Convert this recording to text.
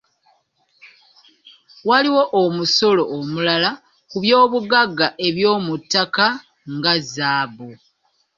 Waliwo omusolo omulala ku by’obugagga eby’omuttaka nga zzaabu.